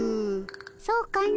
そうかの。